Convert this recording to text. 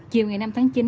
chiều ngày năm tháng chín